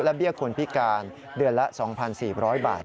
เบี้ยคนพิการเดือนละ๒๔๐๐บาท